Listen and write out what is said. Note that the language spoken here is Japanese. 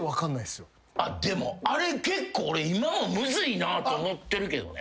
でもあれ結構俺今もむずいなと思ってるけどね。